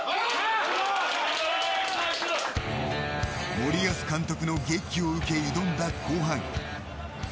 森保監督のげきを受け挑んだ後半。